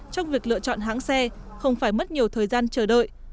trong việc lựa chọn hãng xe không phải mất nhiều thời gian chờ đợi